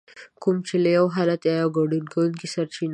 کوم چې له يو حالت او يا ګډون کوونکي سرچينه اخلي.